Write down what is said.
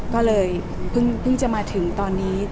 ก็เลยเพิ่งจะมาถึงตอนนี้